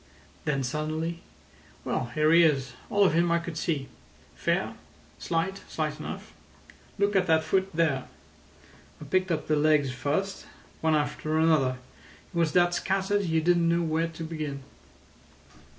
Then suddenly: "Well, here he is—all of him I could see. Fair. Slight—slight enough. Look at that foot there. I picked up the legs first, one after another. He was that scattered you didn't know where to begin."